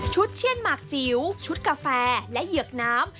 เช่นหมากจิ๋วชุดกาแฟและเหยือกน้ำ